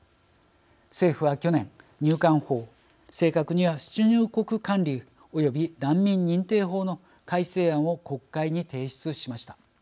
政府は去年入管法、正確には出入国管理および難民認定法の改正案を国会に提出しました。